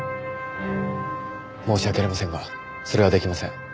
申し訳ありませんがそれはできません。